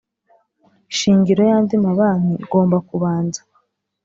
shingiro y andi mabanki igomba kubanza